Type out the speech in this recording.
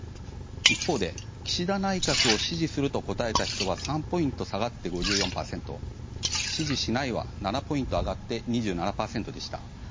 一方で岸田内閣を「支持する」と答えた人は３ポイント下がって５４％「支持しない」は７ポイント上がって２７％でした。